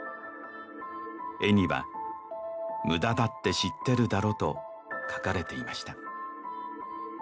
絵には「ムダだって知ってるだろ」と書かれていました